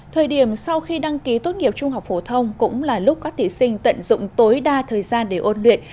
thời điểm sau khi đăng ký tốt nghiệp trung học phổ thông cũng là lúc các thí sinh tận dụng tối đa thời gian để ôn luyện